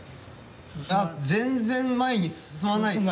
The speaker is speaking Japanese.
あっ全然前に進まないですね。